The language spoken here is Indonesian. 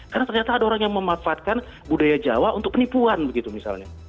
karena ternyata ada orang yang memanfaatkan budaya jawa untuk penipuan gitu misalnya